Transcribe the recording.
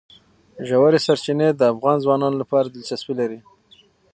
ژورې سرچینې د افغان ځوانانو لپاره دلچسپي لري.